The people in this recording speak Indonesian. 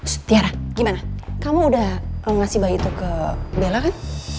setiara gimana kamu udah ngasih bayi itu ke bella kan